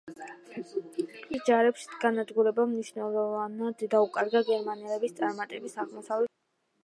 ავსტრია-უნგრეთის ჯარების განადგურებამ მნიშვნელობა დაუკარგა გერმანელების წარმატებებს აღმოსავლეთ პრუსიაში.